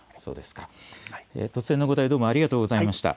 突然のお答え、どうもありがとうございました。